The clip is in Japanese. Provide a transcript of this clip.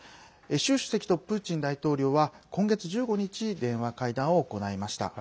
習主席とプーチン大統領は今月１５日電話会談を行いました。